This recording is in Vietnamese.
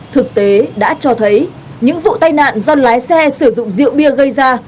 thực tế đã cho thấy những vụ tai nạn do lái xe sử dụng rượu bia gây ra